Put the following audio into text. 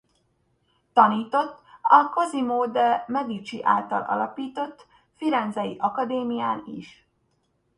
Tanított a Cosimo de’ Medici által alapított Firenzei Akadémián is.